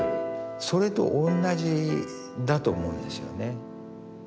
それと同じだと思うんですよね。